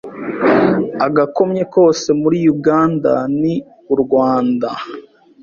Agakomye kose muri Uganda ni u Rwanda